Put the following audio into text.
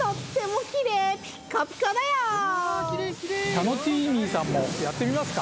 タノチーミーさんもやってみますか？